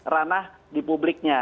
ranah di publiknya